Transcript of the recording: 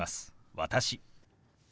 「私」。